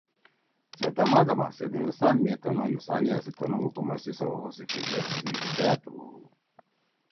سے دما دما سیت ہندوستان می تنُو ہندوستانیا سی تنُو حکومت سی سوَؤ سی فکر سی سأت ہُو